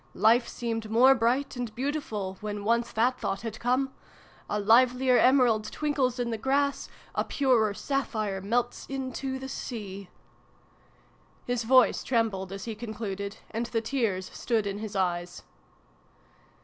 Life seemed more bright and beautiful, when once that thought had come !* A livelier emerald twinkles in the grass, A purer sapphire melts into the sea!' His voice trembled as he concluded, and the tears stood in his eyes.